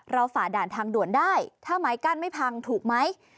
ฝ่าด่านทางด่วนได้ถ้าไม้กั้นไม่พังถูกไหม